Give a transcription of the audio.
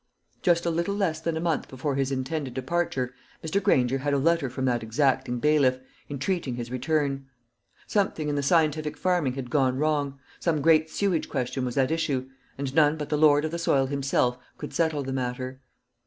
Just a little less than a month before his intended departure, Mr. Granger had a letter from that exacting bailiff, entreating his return. Something in the scientific farming had gone wrong, some great sewage question was at issue, and none but the lord of the soil himself could settle the matter.